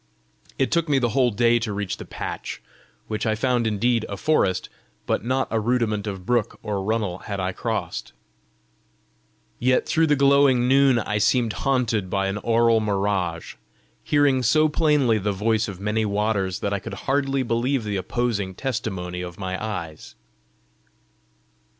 It took me the whole day to reach the patch, which I found indeed a forest but not a rudiment of brook or runnel had I crossed! Yet through the glowing noon I seemed haunted by an aural mirage, hearing so plainly the voice of many waters that I could hardly believe the opposing testimony of my eyes.